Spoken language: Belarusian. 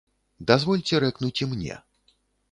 Дазвольце рэкнуць і мне.